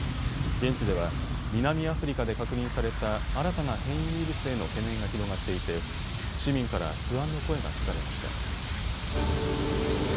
現地では南アフリカで確認された新たな変異ウイルスへの懸念が広がっていて市民から不安の声が聞かれました。